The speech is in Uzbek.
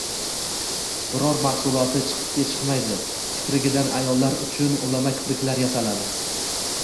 Biror mahsuloti chiqitga chiqmaydi. Kiprigidan ayollar uchun ulama kipriklar yasaladi